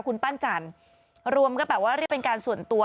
คุณปั้นจันรวมก็แบบว่ารีบนการส่วนตัว